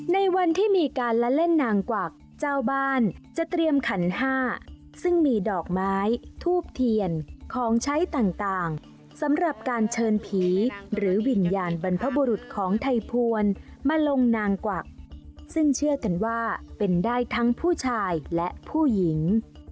ในวันที่มีการละเล่นนางกวักเจ้าบ้านจะเตรียมขันห้าซึ่งมีดอกไม้ทูบเทียนของใช้ต่างสำหรับการเชิญผีหรือวิญญาณบรรพบุรุษของไทยพวนมาลงนางกวักซึ่งเชื่อกันว่าเป็นได้ทั้งผู้ชายและผู้หญิง